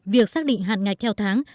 việc xác định hạn ngạch theo tháng